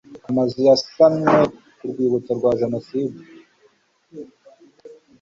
Amazu yasanywe ku Rwibutso rwa Jenoside